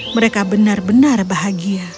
mereka benar benar bahagia